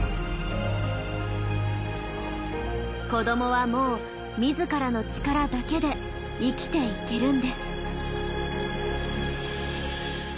子どもはもう自らの力だけで生きていけるんです。